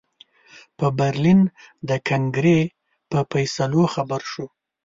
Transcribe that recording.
په برلین د کنګرې په فیصلو خبر شو.